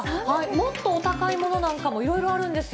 もっとお高いものなんかも、いろいろあるんですよ。